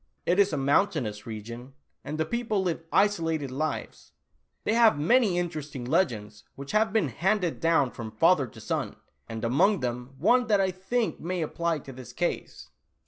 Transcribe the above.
It is a mountainous region, and the people live isolated lives. They have many interesting legends which have been handed down from father to son, and among them one that I think may apply to this case."